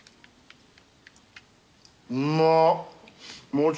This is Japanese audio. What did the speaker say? うまっ。